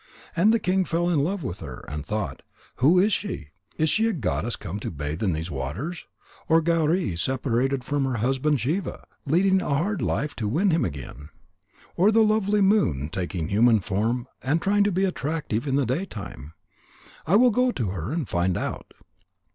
And the king fell in love with her and thought: "Who is she? Is she a goddess come to bathe in these waters? Or Gauri, separated from her husband Shiva, leading a hard life to win him again? Or the lovely moon, taking a human form, and trying to be attractive in the daytime? I will go to her and find out."